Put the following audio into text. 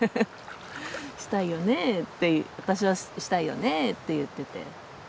「したいよねえ」って私は「したいよねえ」って言ってて。